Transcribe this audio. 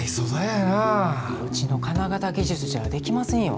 うちの金型技術じゃできませんよ。